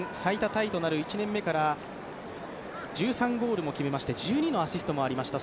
タイとなる１年目から１３ゴールも決めまして１２のアシストもありました